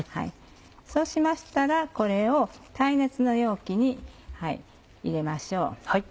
そうしましたらこれを耐熱の容器に入れましょう。